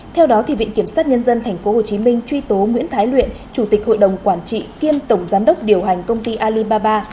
theo đó viện kiểm sát nhân dân tp hcm truy tố nguyễn thái luyện chủ tịch hội đồng quản trị kiêm tổng giám đốc điều hành công ty alibaba